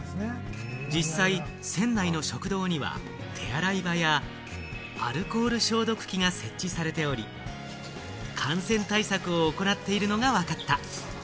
実際、船内の食堂には手洗い場やアルコール消毒器が設置されており、感染対策を行っているのがわかった。